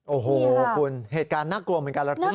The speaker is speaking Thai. โอ้โหคุณเหตุการณ์นักลัวเหมือนกัน